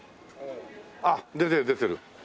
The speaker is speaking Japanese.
あっ出てる出てる。